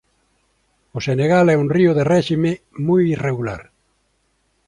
O Senegal é un río de réxime moi irregular.